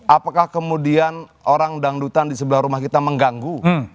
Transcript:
apakah kemudian orang dangdutan di sebelah rumah kita mengganggu